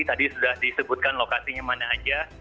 tadi sudah disebutkan lokasinya mana aja